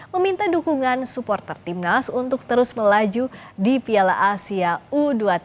meminta dukungan supporter timnas untuk terus melaju di piala asia u dua puluh tiga